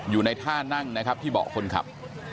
อยู่ในท่านั่งนะครับที่เบาะคนขับ